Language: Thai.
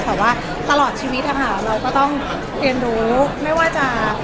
แต่ว่าตลอดชีวิตนะคะเราก็ต้องเรียนรู้ไม่ว่าจะ